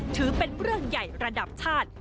ถือเป็นเรื่องใหญ่ระดับชาติ